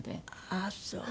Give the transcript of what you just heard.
ああそう。